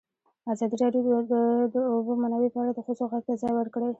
ازادي راډیو د د اوبو منابع په اړه د ښځو غږ ته ځای ورکړی.